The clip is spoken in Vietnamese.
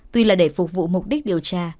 tuy là để phục vụ mục đích điều tra